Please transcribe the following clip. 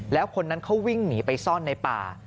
แล้วคนนั้นเขาวิ่งหนีไปซ่อนในป่า